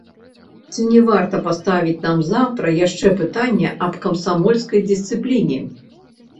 Ці не варта паставіць нам заўтра яшчэ пытанне аб камсамольскай дысцыпліне.